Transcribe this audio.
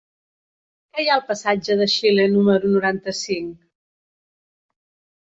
Què hi ha al passatge de Xile número noranta-cinc?